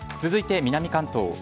続いて南関東。